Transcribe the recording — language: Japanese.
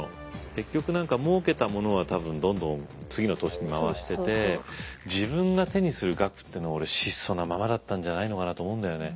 結局何かもうけたものは多分どんどん次の投資に回してて自分が手にする額というのは俺質素なままだったんじゃないのかなと思うんだよね。